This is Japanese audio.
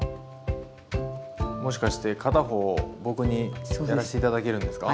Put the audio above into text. もしかして片方を僕にやらして頂けるんですか？